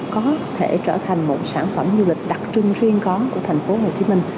có thể trở thành một sản phẩm du lịch đặc trưng riêng có của thành phố hồ chí minh